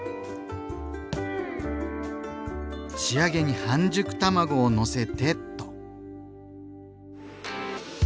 仕上げに半熟卵をのせてっと。